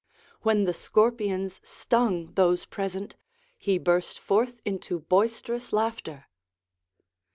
When the scorpions stung those present, he burst forth into boisterous laughter.